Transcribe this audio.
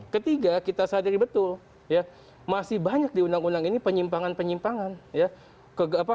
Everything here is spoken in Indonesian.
ketiga kita sadari betul masih banyak di undang undang ini penyimpangan penyimpangan ya